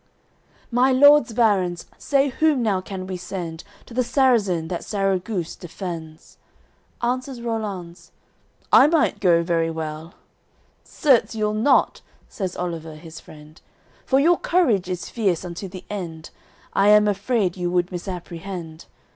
XVIII "My lords barons, say whom now can we send To th' Sarrazin that Sarraguce defends?" Answers Rollanz: "I might go very well." "Certes, you'll not," says Oliver his friend, "For your courage is fierce unto the end, I am afraid you would misapprehend.